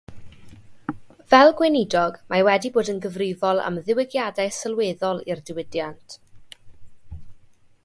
Fel Gweinidog, mae wedi bod yn gyfrifol am ddiwygiadau sylweddol i'r diwydiant.